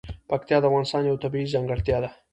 پکتیا د افغانستان یوه طبیعي ځانګړتیا ده.